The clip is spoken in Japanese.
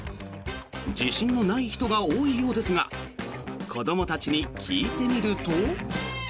自信のない人が多いようですが子どもたちに聞いてみると。